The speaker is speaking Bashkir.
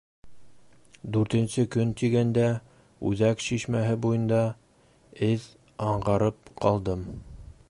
Дүртенсе көн тигәндә, үҙәк шишмәһе буйында эҙ аңғарып ҡалдым.